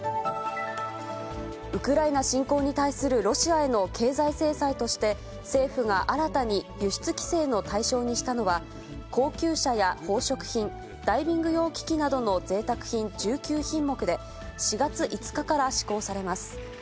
ウクライナ侵攻に対するロシアへの経済制裁として、政府が新たに輸出規制の対象にしたのは、高級車や宝飾品、ダイビング用機器などのぜいたく品１９品目で、４月５日から施行されます。